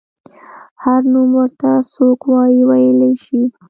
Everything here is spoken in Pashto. هر نوم ورته څوک وايي ویلی شي.